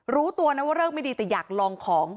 รู้ตัวนะว่าเลิกไม่ดีแต่อยากลองของ